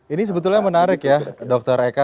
ini sebetulnya menarik ya dokter eka